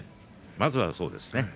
まずはそうですね。